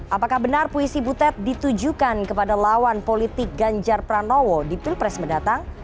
apakah benar puisi butet ditujukan kepada lawan politik ganjar pranowo di pilpres mendatang